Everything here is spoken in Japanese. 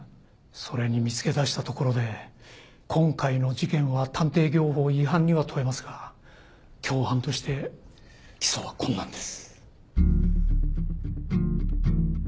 それに見つけだしたところで今回の事件は探偵業法違反には問えますが共犯として起訴は困難です。